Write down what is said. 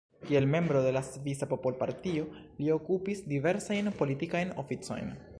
Kiel membro de la Svisa Popolpartio li okupis diversajn politikajn oficojn.